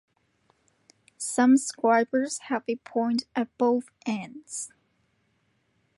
Some scribers have a point at both ends.